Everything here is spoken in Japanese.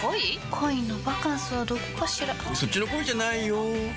恋のバカンスはどこかしらそっちの恋じゃないよ